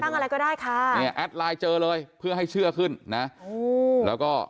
อะไรก็ได้ค่ะเนี่ยแอดไลน์เจอเลยเพื่อให้เชื่อขึ้นนะอืมแล้วก็